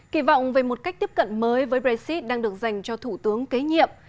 kỳ vọng về một cách tiếp cận mới với brexit đang được dành cho thủ tướng kế nhiệm